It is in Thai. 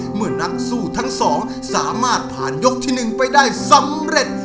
เมื่อนักสู้ทั้งสองสามารถผ่านยกที่๑ไปได้สำเร็จ